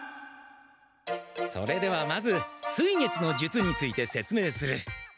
それではまず水月の術についてせつめいする。